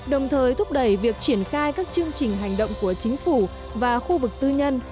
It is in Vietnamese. đồng thời thúc đẩy việc triển khai các chương trình hành động của chính phủ và khu vực tư nhân